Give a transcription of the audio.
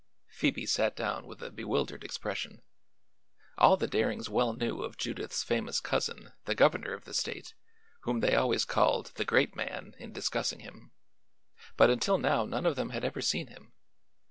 Phoebe sat down with a bewildered expression. All the Darings well knew of Judith's famous cousin, the governor of the state, whom they always called the "Great Man" in discussing him; but until now none of them had ever seen him.